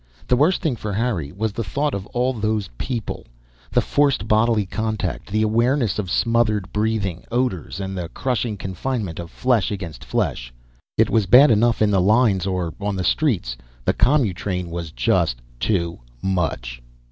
The worst thing, for Harry, was the thought of all those people; the forced bodily contact, the awareness of smothered breathing, odors, and the crushing confinement of flesh against flesh. It was bad enough in the lines, or on the streets. The commutrain was just too much.